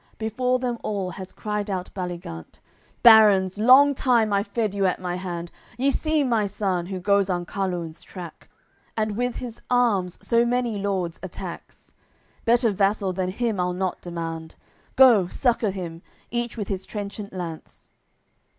Before them all has cried out Baligant: "Barons, long time I've fed you at my hand. Ye see my son, who goes on Carlun's track, And with his arms so many lords attacks; Better vassal than him I'll not demand. Go, succour him, each with his trenchant lance!"